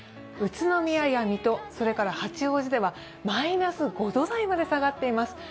宇都宮や水戸、それから八王子ではマイナス５度台まで下がってます。